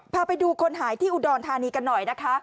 พาไปดูคนหายที่อุดรธานีกันหน่อยนะคะ